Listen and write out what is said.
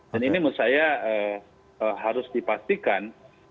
dan ini menurut saya harus dipastikan